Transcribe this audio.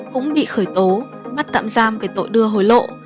cũng bị khởi tố bắt tạm giam về tội đưa hối lộ